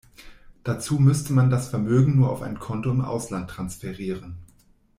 Dazu müsste man das Vermögen nur auf ein Konto im Ausland transferieren.